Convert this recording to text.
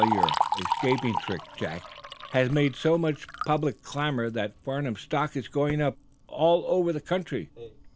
Your escaping trick, Jack, has made so much public clamor that Farnum stock is going up all over the country.